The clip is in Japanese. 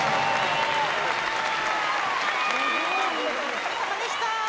お疲れさまでした。